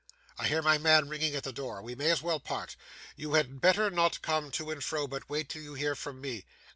I hear my man ringing at the door. We may as well part. You had better not come to and fro, but wait till you hear from me.